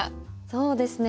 そうですね